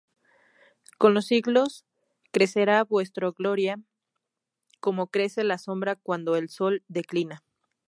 Con los siglos crecerá vuestra gloria como crece la sombra cuando el sol declina".